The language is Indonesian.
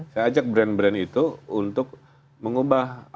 saya ajak brand brand itu untuk mengubah apa sih yang ada di sana